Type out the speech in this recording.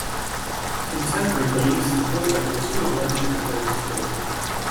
Contemporary police and court records do not mention the ghost story.